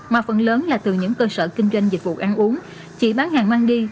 mà phần lớn là từ những cơ sở kinh doanh dịch vụ ăn uống chỉ bán hàng mang đi